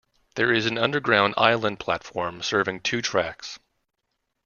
There is an underground island platform serving two tracks.